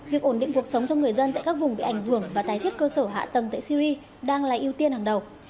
việc ổn định cuộc sống cho người dân tại các vùng bị ảnh hưởng và tái thiết cơ sở hạ tầng tại syri đang là ưu tiên hàng đầu